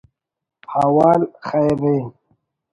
حوال خیر ءِ